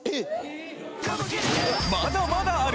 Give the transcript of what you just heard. まだまだある！